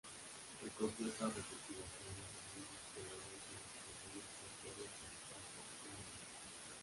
Recogió estas recopilaciones en libros que luego hizo distribuir por todo el Califato omeya.